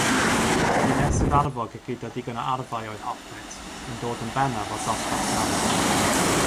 Dinesydd-arfog gyda digon o arfau oedd hoplit yn dod yn bennaf o'r dosbarth canol.